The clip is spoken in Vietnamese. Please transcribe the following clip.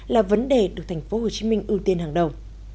là vấn đề được tp hcm ưu tiên hàng đầu